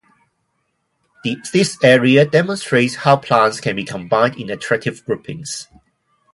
This area demonstrates how plants can be combined in attractive groupings.